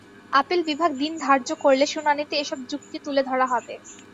Appeal বিভাগ দিন ধার্য করলে শুনানিতে এসব যুক্তি তুলে ধরা হবে।